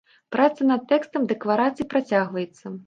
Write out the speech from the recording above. Праца над тэкстам дэкларацыі працягваецца.